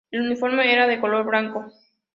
El uniforme era de color blanco.